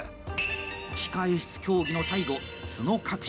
「控え室競技」の最後、角隠し。